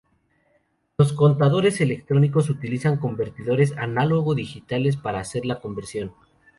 Los contadores electrónicos utilizan convertidores analógico-digitales para hacer la conversión.